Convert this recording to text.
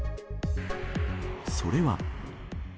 それは。